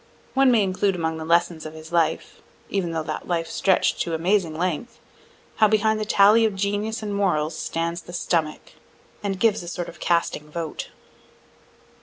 One may include among the lessons of his life even though that life stretch'd to amazing length how behind the tally of genius and morals stands the stomach, and gives a sort of casting vote.